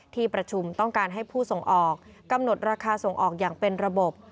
ที่ประชุมต้องการให้ผู้ส่งออกกำหนดราคาส่งออกอย่างเป็นระบบ